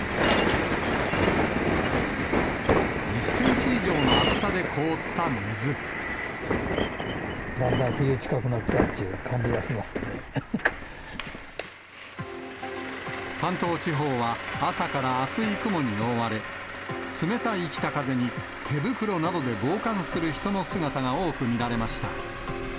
１センチ以上の厚さで凍っただんだん冬近くなったってい関東地方は、朝から厚い雲に覆われ、つめたい北風に手袋などで防寒する人の姿が多く見られました。